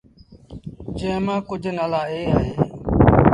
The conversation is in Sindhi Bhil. جݩهݩ مآݩ ڪجھ نآلآ اي اهيݩ